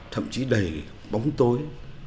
thậm chí đầy bóng tối